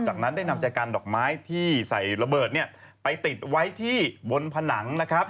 จากนั้นได้นำใจกันดอกไม้ที่ใส่ระเบิดไปติดไว้ที่บนผนังนะครับ